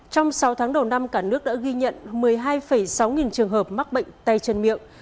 trong sáu tháng đầu năm cả nước đã ghi nhận một mươi hai sáu nghìn trường hợp mắc bệnh tay chân miệng